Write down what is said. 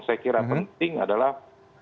saya kira penting adalah